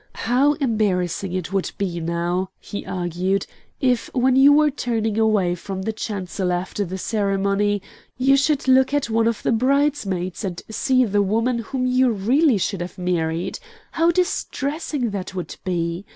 How embarrassing it would be, now," he argued, "if, when you were turning away from the chancel after the ceremony, you should look at one of the bridesmaids and see the woman whom you really should have married! How distressing that would be!